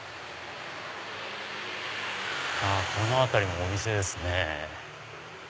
この辺りもお店ですね。